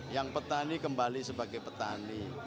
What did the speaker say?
yang petani kembali sebagai petani